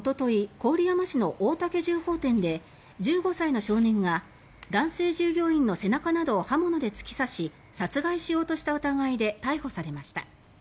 郡山市の大竹銃砲店で１５歳の少年が男性従業員の背中などを刃物で突き刺し殺害しようとした疑いで逮捕されました。